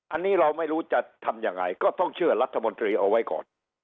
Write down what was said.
อันนี้เราไม่รู้จะทำยังไงก็ต้องเชื่อรัฐมนตรีเอาไว้ก่อน